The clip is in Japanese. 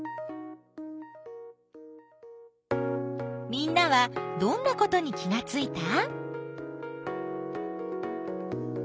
みんなはどんなことに気がついた？